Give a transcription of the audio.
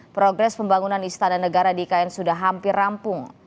progres pembangunan istana negara di ikn sudah hampir rampung